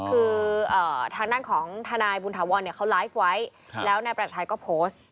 คือทางด้านของทนายบุญถาวรเขาไลฟ์ไว้แล้วนายประชัยก็โพสต์